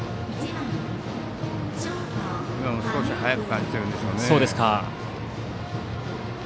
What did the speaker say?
今も少し速く感じているんでしょうね。